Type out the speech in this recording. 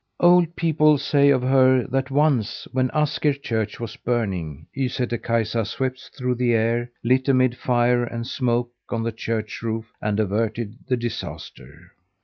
Old people say of her that, once, when Asker church was burning, Ysätter Kaisa swept through the air, lit amid fire and smoke on the church roof, and averted the disaster.